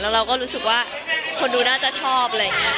แล้วเราก็รู้สึกว่าคนดูน่าจะชอบ